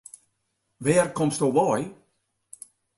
Wêr komsto wei?